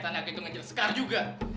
ternyata naki tuh ngejar sekar juga